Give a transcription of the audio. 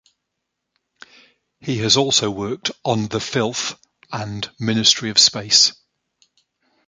He has also worked on "The Filth" and "Ministry of Space".